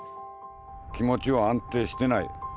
気持ちは安定してない。